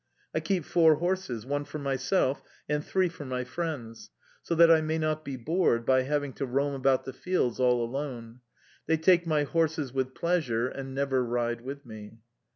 I keep four horses one for myself and three for my friends, so that I may not be bored by having to roam about the fields all alone; they take my horses with pleasure, and never ride with me.